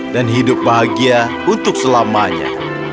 dan hidup bahagia untuk selamanya